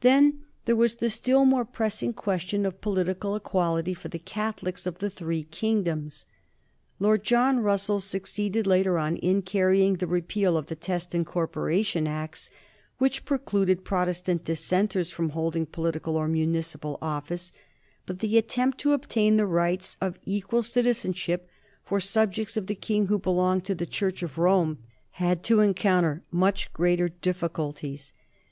Then there was the still more pressing question of political equality for the Catholics of the three kingdoms. Lord John Russell succeeded later on in carrying the repeal of the Test and Corporation Acts which precluded Protestant Dissenters from holding political or municipal office, but the attempt to obtain the rights of equal citizenship for subjects of the King who belonged to the Church of Rome had to encounter much greater difficulties.